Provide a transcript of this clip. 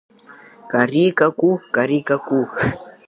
Кари-какәу, Кари-какәу…